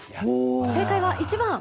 正解は１番。